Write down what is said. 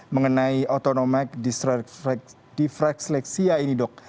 mengenai autonomik disrefleksia ini dok